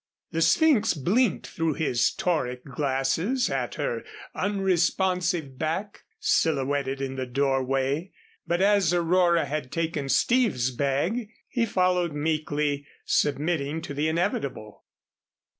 The Sphynx blinked through his tauric glasses at her unresponsive back silhouetted in the doorway, but as Aurora had taken Steve's bag, he followed meekly, submitting to the inevitable.